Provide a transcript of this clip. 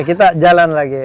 kita jalan lagi